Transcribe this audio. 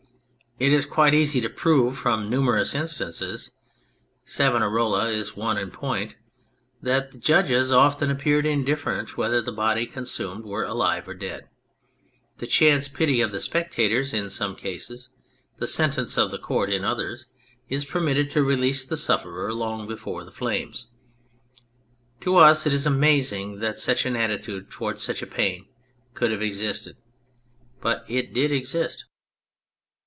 It is quite easy to prove, from numerous instances Savonarola is one in point that the judges often appeared indifferent whether the body consumed were alive or dead. The chance pity of spectators in some cases, the sentence of the court in others, is permitted to release the sufferer long before the flames. To us it is amazing that such an attitude towards such a pain could have existed, but it did exist.